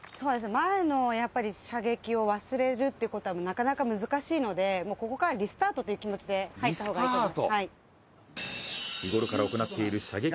前の射撃を忘れるということはなかなか難しいのでここからリスタートという気持ちで入った方がいいです。